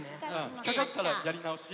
ひっかかったらやりなおし？